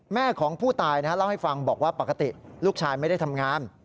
แม่ของผู้ตายเล่าให้ฟังบอกว่าปกติลูกชายไม่ได้ทำงาน